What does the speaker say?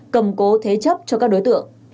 cầm cố thế chấp cho các đối tượng